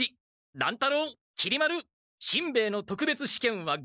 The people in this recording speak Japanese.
乱太郎きり丸しんべヱの特別試験はごうかくとする！